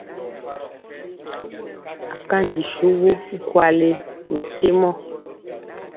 Akanji suwu nkwale nɛ kemɔ.